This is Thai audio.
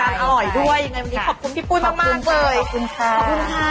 อร่อยด้วยยังไงวันนี้ขอบคุณพี่ปุ้ยมากมากเลยขอบคุณค่ะขอบคุณค่ะ